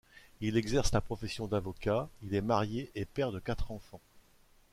Il exerce la profession d'avocat, il est marié et père de quatre enfants.